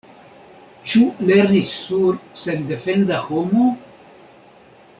Ĉu lernis sur sendefenda homo?